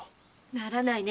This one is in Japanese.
ならないね。